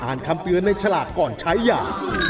คำเตือนในฉลากก่อนใช้ยา